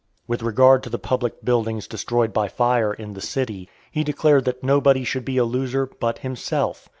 With regard to the public buildings destroyed by fire in the City, he declared that nobody should be a loser but himself.